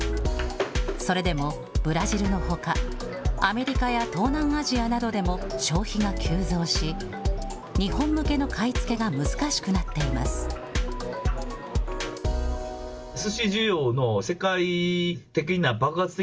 それでもブラジルのほか、アメリカや東南アジアなどでも、消費が急増し、日本向けの買い付けが難しくなっています。